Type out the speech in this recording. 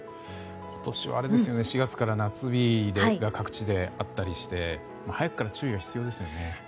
今年は４月から夏日が各地であったりして早くから注意が必要ですよね。